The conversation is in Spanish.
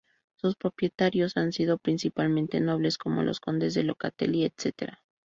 Sus propietarios han sido principalmente nobles como los condes de Locatelli, etc.